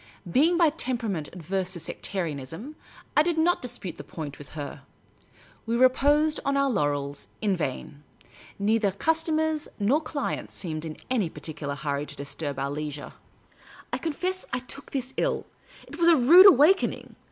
Being by tempera ment averse to sectarianism, I did not dispute the point with her. PAINTING THE SIGN BOARD. We reposed on our laurels — in vain. Neither cnstomers nor clients seemed in any particular hurry to disturb our leisure. I confess I took this ill. It was a rude awakening.